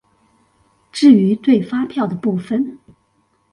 至於對發票的部分